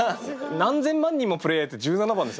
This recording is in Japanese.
何千万人もプレーヤーいて１７番ですよ。